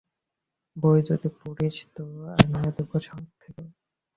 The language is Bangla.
বই যদি পড়িস তো আনিয়ে দেব শহর থেকে।